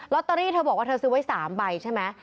ตเตอรี่เธอบอกว่าเธอซื้อไว้๓ใบใช่ไหม